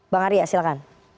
bang arya silahkan